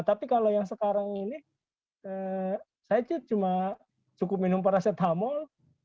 tapi kalau yang sekarang ini saya cuma cukup minum paracetamol